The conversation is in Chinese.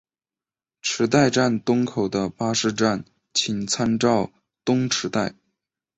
池袋站东口的巴士站请参照东池袋。